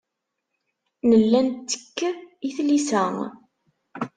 Nella nettekk i tlisa.